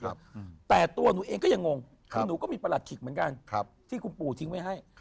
คุณหนูก็มีประหลัดขิกเหมือนกันที่คุณปู่ทิ้งไว้ให้